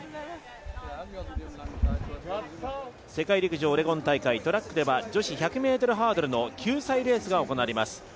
世界陸上オレゴン大会、トラックでは女子１００ｍハードルの救済レースが行われます。